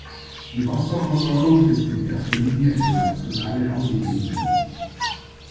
Die Wasserversorgung ist in erster Linie eine nationale Angelegenheit.